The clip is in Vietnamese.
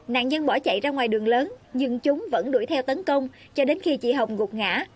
nạn nhân bỏ chạy ra ngoài đường lớn nhưng chúng vẫn đuổi theo tấn công cho đến khi chị hồng gục ngã